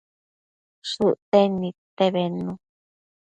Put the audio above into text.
Shëcten nidte bednu